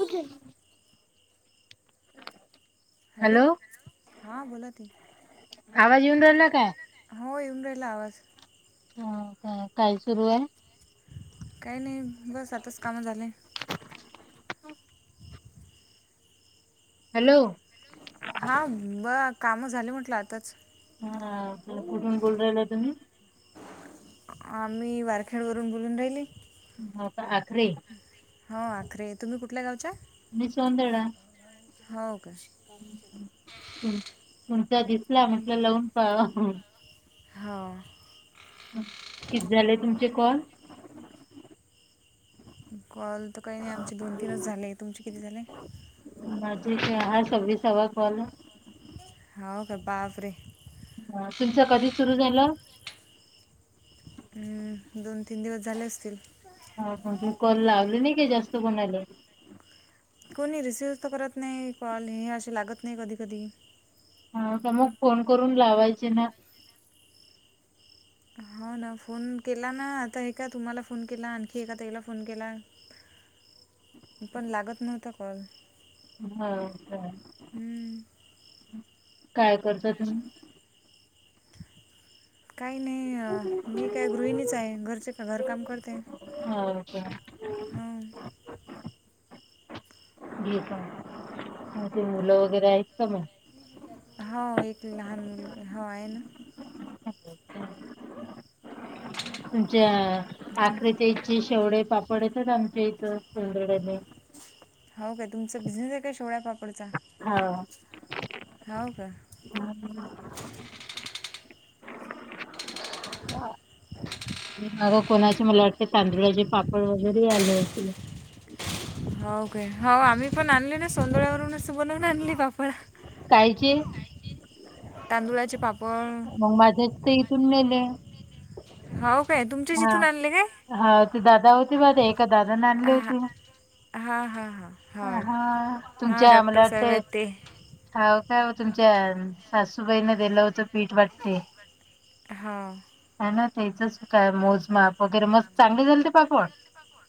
कजे [inaudible] हॅलो हां बोला ताई आवाज येऊन राहिला काय? हो येऊन राहिला आवाज हो काय काय सुरुय? काही नाही बस आताच काम झाले. हॅलो! हा ब काम झाले म्हटलं आताच हा कुठून बोलू राहिल्या तुम्ही? आ म्ही वारखेडवरून बोलून राहिले. हो का आखरी? हो आखरे तुम्ही कुठल्या गावच्या? मी सौदंडा. हो का. तुमचा दिसला म्हटलं लावून पाहावा हा किती झाले तुमचे कॉल? कॉल तर काही नाही आमचे दोन तीनच झाले तुमचे किती झाले? माझे का हा सव्वीसवा कॉल हंव का बाप रे! हं तुमच कधी सुरू झालं? दोन तीन दिवस झाले असतील. हाव का तुम्ही काॅल लावले नाही काय जास्त कोणाले? कोणी रिसीव्ह तर करत नाही कॉल हे असे लागत नाही कधी कधी हा तर मग फोन करून लावायचे ना? हो ना फोन केला ना आता हे का तुम्हाला फोन केला आणखी एका ताईला फोन केला. पण लागत नव्हता कॉल. हा ह हं. काय करता तुम्ही? काही नाही अ मी काय गृहिणीच आहे घरचे घर काम करते. हो का हम घी का ते मुलं वगैरे आहेत का मग हो एक लहान मुलगा हो आहे ना तुमच्या तुम आक्रतीची शेवडे पापड येतात आमच्या इथं सौंदड्याने हो काय तुमचा बिझनेस आहे काय शेवळ्या पापाचा? हो हा हो का? हा [inaudible] माग कोणाचे मला वाटते तांदुळाचे पापड वगैरे आले होते. हो काय हो आमही पण आणली ना सोदळ्यावरूनच बनवून आणली पापड कायची? तांदुळाचे पापड मग माझ्याच तर इथून नेले हाव काय तुमच्याच हा. इथून आणले काय? हा ती दादा होती बघा ते एका दादाने आणले हा होते हां हां हां ह हा हां तुमच्या मला डॉक्टर वाटते साहेबय ते हाव काय तुमच्या सासूबाईन दिलं होतं पीठ वाटी - - हा. का ना त्याचच काय मोजमाप वगैरे मस्त चांगले झाले ते पापड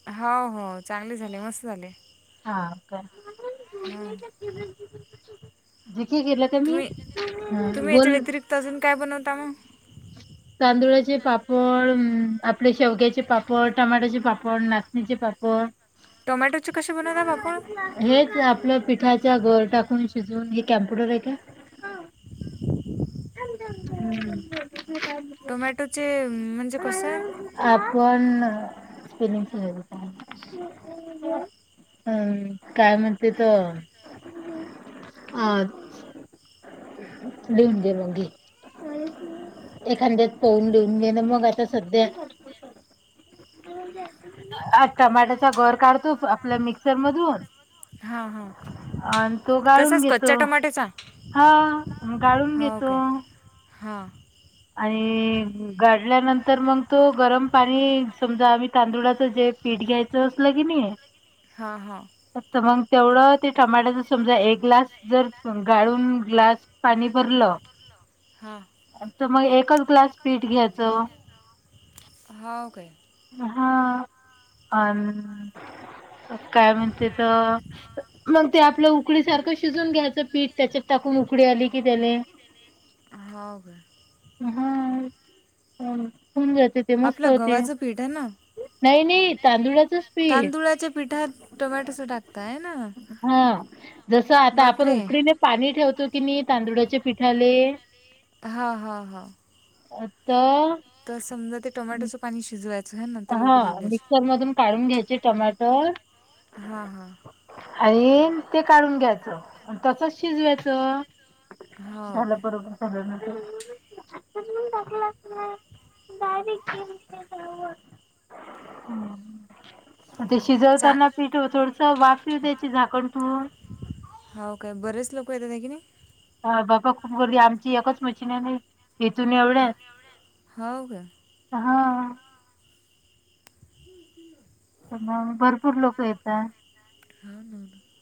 हा. हो. चांगले झाले मस्त झाले. हां का. हा. [unintelligible] जी के गेल्यात [unintelligible] क म तुम्ही हुं तुम्ही याच्या बोल व्यतिरिक्त अजून काय बनवता मग तांदुळाचे पापड, आपले शेवग्याचे पापड, टमाट्याचे पापड, नाच निचे पापड टोमॅटोचे कसे बनवता आपण? हेच आपलं पिठाच्या गर टाकून शिजवून हे कॅम्प्युटर हे काय? हु. [inaudible] टोमॅटोचे म्हणजे कसे आपन स्पिलिंग सरळ लिहतो आण - - अम काय म्हणते त अ देऊून [unintelligible] घे. एखांद्यात पहून देऊन गेण मग आता सध्या आ टमाटाचा गर काढतोस आपल्या मिक्सर मधून हां हां अ आणि तो गाळून तसाच कच्च्या घेतो. टोमॅटोचा हा गाळून हो घेतो काय हां. आणि गाळ्या नंतर मग तो गरम पाणी समजा आम्ही तांदुळाच जे पीठ घ्यायचं असलं कीनी हा. हा. मग तेवढं ते टमाटोचा समजा एक ग्लास जर गाळून ग्लास पाणी भरलं हां. तर मग एकच ग्लास पीठ घ्यायचं. हा वो काय हा अ काय म्हणते त मग ते आपलं उकडी सारखं शिजून घ्यायचं पीठ त्याच्यात टाकून उकडी आली की त्याले - - ह हवो का? हा [unintelligible] आपलं होते गव्हाचं पीठ हेना? नाही. नाही. तांदुळाचंच पीठ तांदुळाच्या पिठा टोमॅटोच टाकताय ना? हा जसं आता आपण बापरे उकडीले पाणी ठेवतो की नही तांदुळाच्या पिठाले हा, हा, हा. आता तर समजा ते टोमॅटोचं पाणी शिजवायच. हा मिक्सर मधून काढून घ्यायचे टमाॅटर. हां हां आणि ते काढून घ्यायचं तसच शिजवायचं. हां झालं ओके बरोबर झालं न ते [unintelligible] ते चा शिजवताना पीठ थोडसं वाफी त्याची झाकण ठिवून हो काय बरेच लोक येतात हायकि नई. हा बाबा खूप गर्दी आमची एकच मशीन हाय बाई इथून एवढ्या- - हो काय हो हा. पु ग भरपूर लोक येतात रा न [unintelligible]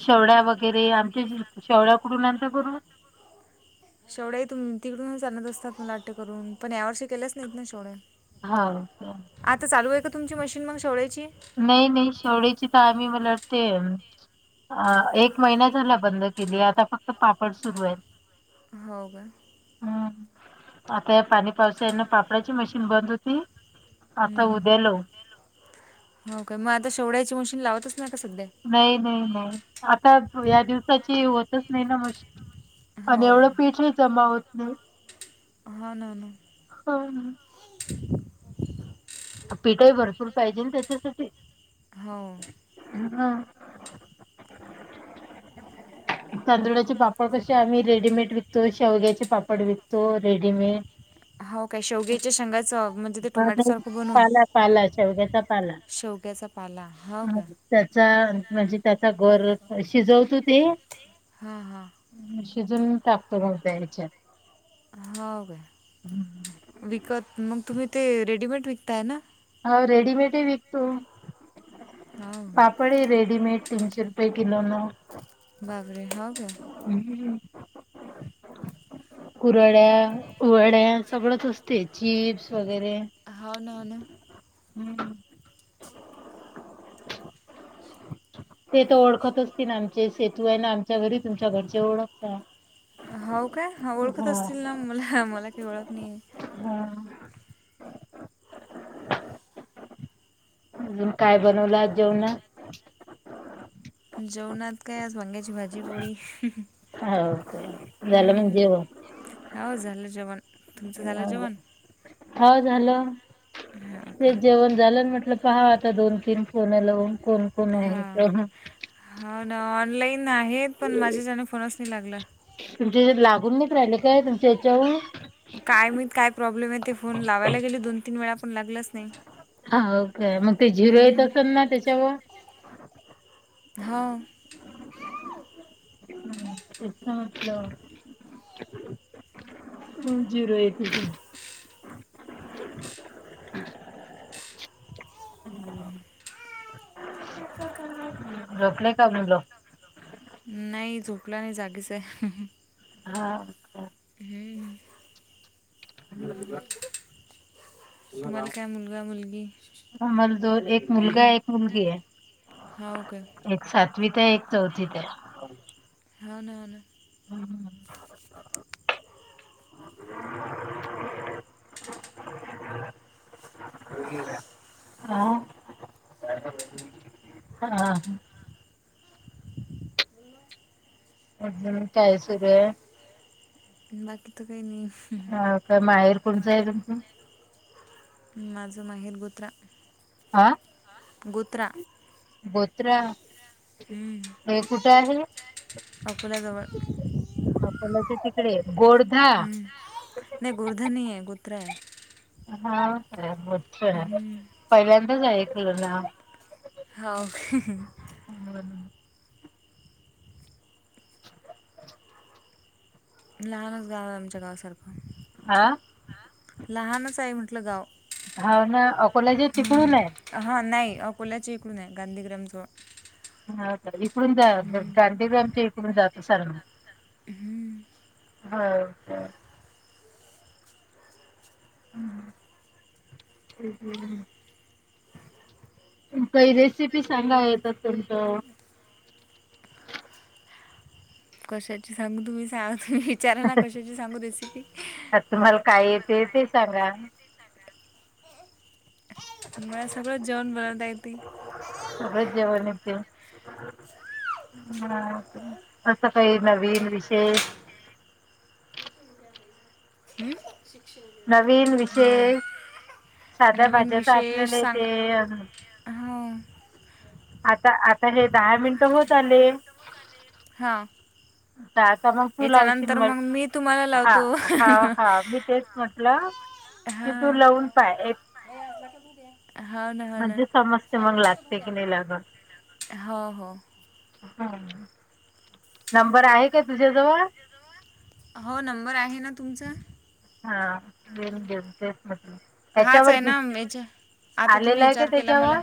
शेवड्या वगैरे आमच्या शेवड्या कुडून आणता बरून शेवट्या त तिकडूनच आणलत असतात मुलाट्य करून पण या वर्षे केल्याच नाहीत ना शेव्या हा आता चालू आहे का तुमची मशीन मग शेवळ्याची? नाही नाही शेडीची तर आम्ही मला वाटते अ एक महिना झाला बंद केली आता फक्त पापड सुरू आहेत हो का? हम्म आता या पाणी पावसाने पापडाची मशीन बंद होती आता हम्म, हम्म. उद्यालो हो का मग आता शेवड्याची मशीन लावतच ना का सध्या नाही नाही नाही आता या दिवसाची होतच नाही ना मशीन आणि हो एवढं काय पिठे जमा होत नाही हा ना ना हो पिठाही भरपूर पाहिजे आणि त्याच्यासाठी हो हा तांदुळाचे पापड कसे आम्ही रेडीमेड विकत तो शेवग्याचे पापड विकतो रेडीमेड हो काय शेगीच्या शंगाचं म्हणजे ते टोमॅटो नाही, सारखं ब पाला पाला शेवग्याचा पाला शेवग्याचा पाला हो काय त्याचा म्हणजे त्याचा गर शिजवतो ते हा हां शिजून टाकतो त्या ह्याच्यात हो काय विकत मग तुम्ही ते रेडीमेड विकताय ना हा रेडीमेड आहे विकतो हो पडे रेडीमेड तीनशे रुपये किलो न बाबरे हो का हम्म. कुरड्या वड्या सगळंच असते चिप्स वगैरे होन ना हम्म ते तर ओळखत असतील ना आमचे सेतू आहे ना आमच्या घरी तुमच्या घरचे ओळखत हो काय ओळखत असतील ना मला मला काही ओळख नाही हा अजून काय बनवलं जेवणा? जेवणात काय आस वांग्याची भाजीपोळी हो का झालं म्हण जेवण हो हो झालं जेवण तुमचं झालं जेवण हो झालं हां ते ओके जेवण झालं म्हटलं पहा आता दोन तीन फोन लावून कोण कोण आहे हां ते. हा ना ऑनलाईन आहेत पण माझ्या चने फोनच नाही लागला तुमच्या लागून नाही राहिले काय तुमच्या हयाच्यावरून काय माहीत काय प्रॉब्लेम आहे ते फोन लावायला गेले दोन तीन वेळा पण लागलाच नाही हा ओ काे मग ते झिरो येत असेल ना त्याच्यावर हा. ए मत जिरो य त [unintelligible] झोपले का मुलं. नाही झोपलाने जगिसे हा. हम्. ह. तुम्हाला काय मुलगा मुलगी मल दो एक मुलगा हम्म, एक मुलगी आहे. हो काय एक सातवीत आहे एक चौथीत आहे. हो ना ना. हम्म हा हा म् कायसर बाकी त काही नाही. ह काय माहेर कोुणचं आहे तुमचं माझं माहेर बुत्रा. आं. गुत्रा. बोत्रा हम्म, हे कुठे आहे. अकोल्याजवळ आपलाच्याकडे गोर्धा हम्म. नाही गुर्धनी आहे कुत्र आहे. हा आहे मो आहे हम्म. पहिल्यांदाच ऐकलं ना हो. [unintelligible] लहानच गाव आहे आमच्या गावासारखं हह. आ लहानच आहे म्हटलं गाव हाव ना अकोल्याच्या तिकडून ये- हां नाई अकोल्याच्या इकडून आहे गांधीग्रामजवळ हा का इकडून जा गांधी गांधीग्रामच्या इकडून जात सरना हम्म. हो, हो. हम् ह ह. काही रेसिपी सांगा येत असेल तर. कशाची सांगू तुम्ही सांग तुम्ही विचारा ना कशाची सांगू रेसिपी आ तुम्हाला काय येते ते सांगा. म सगळं जेवण बनवता येते. सगळच जेवण येते. ह असं काही नवीन विशेष हम् शिक्षन घे. नवीन विषय साध्या नवीन भाज्याचा आपल्याला ते. हा आता आता हे दहा मिनिट होत आले. हा तर आता मग तू लावशील त्याच्यानंतर मग मी तुम्हाला हा लावतो. हा हा मी तेच म्हटलं की तू लवून पाय हाव ना हो ना म्हणजे समजते मग लागते की नाही लागत हो हो ह. नंबर आहे काय तुझ्याजवळ हो नंबर आहे ना तुमचा हा बेन बेन हाच आहे ना याच्यावर आता तुम्ही आलेला आहे का विचार केला मला त्याच्यावर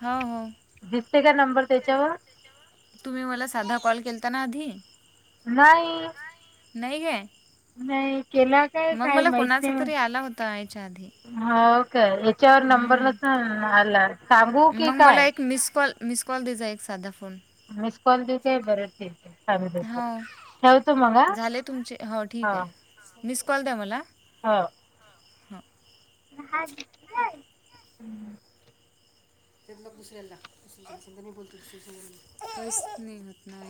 हा हो. दिसते का नंबर त्याच्यावर तुम्ही मला साधा कॉल केलता ना आधी नाई. नाही ग. केला काय मग काय मला माहित कोणाचा नाही तरी आला होता याच्या आधी हो का याच्यावर नंबर हम्म. नसन आला सांगू की मग काय? मला एक मिस काॅल मिस कॉल देजा एक साधा फोन मिस कॉल देते बर ठीक आहे चालू देतो हो ठेवतो मग झाले तुमचे हो हा. ठीक आहे मिस कॉल द्या मला हाव. ह आहे [inaudible] ल दुसऱ्या मी बोलतो दुऱत नाहीत नाही [unintelligible]